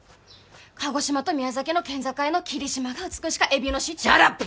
鹿児島と宮崎の県境の霧島が美しかえびの市シャラップ！